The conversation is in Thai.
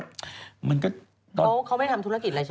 มันก็เขาไม่ทำธุรกิจอะไรใช่ไหม